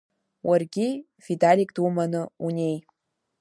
Уаргьы, Виталик думаны, унеи.